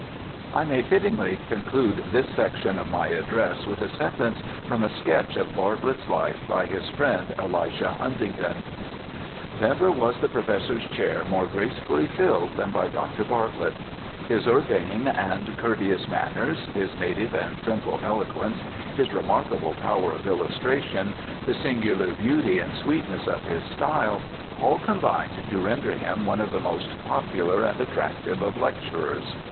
I may fittingly conclude this section of my address with a sentence from a sketch of Bartlett's life by his friend Elisha Huntington :* Never was the professor's chair more gracefully filled than by Dr. Bartlett. His urbane and courteous manners, his native and simple eloquence, his remark able power of illustration, the singular beauty and sweetness of his style, all combined to render him one of the most popular and attractive of lecturers.